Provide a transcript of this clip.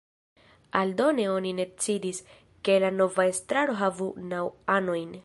Aldone oni decidis, ke la nova estraro havu naŭ anojn.